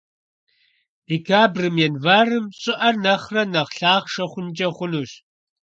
Декабрым — январым щӀыӀэр нэхърэ нэхъ лъахъшэ хъункӀэ хъунущ.